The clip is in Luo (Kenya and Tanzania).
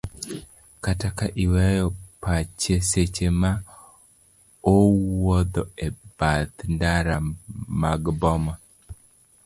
kata ka iweyo pache seche ma owuodho e bath ndara mag boma